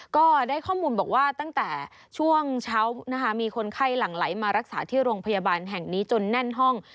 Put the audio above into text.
ก็ได้ข้อมูลบอกว่าตั้งแต่ช่วงเช้านะคะมีคนไข้หลั่งไหลมารักษาที่โรงพยาบาลแห่งนี้จนแน่นห้อง